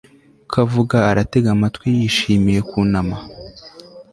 Ko avuga aratega amatwi yishimiye kunama